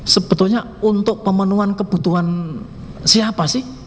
sebetulnya untuk pemenuhan kebutuhan siapa sih